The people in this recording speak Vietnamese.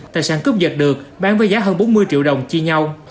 tại sáng cướp giật được bán với giá hơn bốn mươi triệu đồng chi nhau